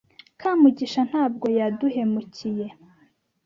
Kamugisha ntabwo yaduhemukiye.